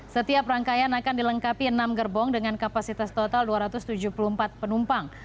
setiap rangkaian akan dilengkapi enam gerbong dengan kapasitas total dua ratus tujuh puluh empat penumpang